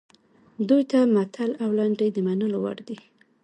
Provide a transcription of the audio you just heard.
دوی ته متل او لنډۍ د منلو وړ دي